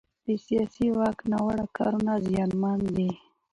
د سیاسي واک ناوړه کارونه زیانمن دي